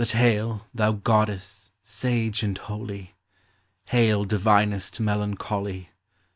But hail, thou goddess, sage and holy i Hail, divinest Melancholy